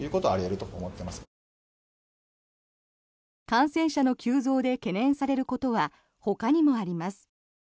感染者の急増で懸念されることはほかにもあります。